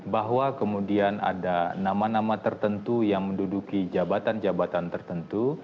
bahwa kemudian ada nama nama tertentu yang menduduki jabatan jabatan tertentu